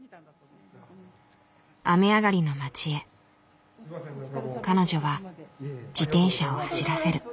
雨上がりの街へ彼女は自転車を走らせる。